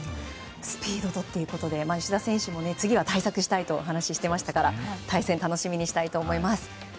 スピードということで吉田選手も次は対策したいと話していましたから対戦楽しみにしたいと思います。